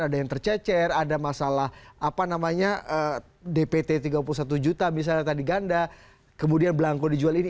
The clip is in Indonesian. ada yang tercecer ada masalah apa namanya dpt tiga puluh satu juta misalnya tadi ganda kemudian belangko dijual ini